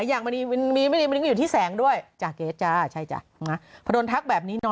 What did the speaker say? อย่างนี้แบบนี้